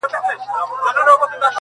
بیا را ژوندي کړو د بابا لښکري.!